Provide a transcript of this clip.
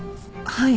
はい。